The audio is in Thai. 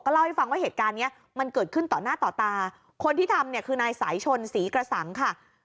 เล่าให้ฟังว่าเหตุการณ์เนี้ยมันเกิดขึ้นต่อหน้าต่อตาคนที่ทำเนี่ยคือนายสายชนศรีกระสังค่ะ